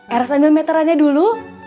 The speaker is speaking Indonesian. eros ambil meterannya dulu